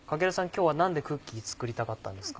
今日は何でクッキー作りたかったんですか？